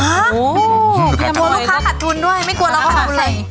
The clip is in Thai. โอ้วลูกค้าขาดทุนด้วยไม่กลัวเราขาดทุนเลย